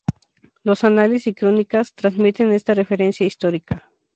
Los anales y crónicas transmiten esta referencia histórica.